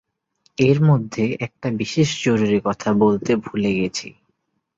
এর মধ্যে একটা বিশেষ জরুরি কথা বলতে ভুলে গেছি।